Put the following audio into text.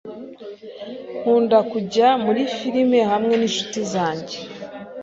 Nkunda kujya muri firime hamwe n'inshuti zanjye.